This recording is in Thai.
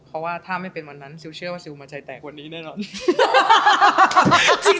เพราะว่าถ้าไม่เป็นวันนั้นซิลเชื่อว่าซิลมาใจแตกกว่านี้แน่นอน